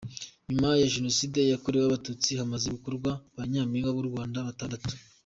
Nyuma ya Jenoside yakorewe Abatutsi hamaze gutorwa ba Nyampinga w’u Rwanda batandatu.